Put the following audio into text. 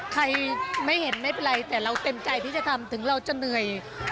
ใครไม่เห็นไม่เป็นไรแต่เราเต็มใจที่จะทำถึงเราจะเหนื่อย